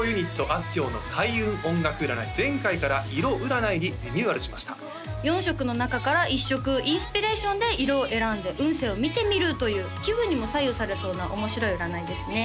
あすきょうの開運音楽占い前回から色占いにリニューアルしました４色の中から１色インスピレーションで色を選んで運勢を見てみるという気分にも左右されそうな面白い占いですね